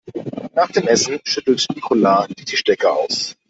Nach dem Essen schüttelt Nicola die Tischdecke aus.